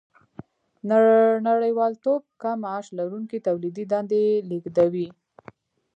نړیوالتوب کم معاش لرونکي تولیدي دندې لېږدوي